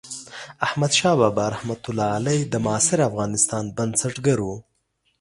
احمدشاه بابا رحمة الله علیه د معاصر افغانستان بنسټګر و.